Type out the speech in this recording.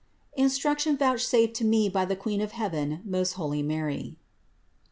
INSTRUCTION VOUCHSAFED TO ME BY THE QUEEN OF HEAVEN, MOST HOLY MARY.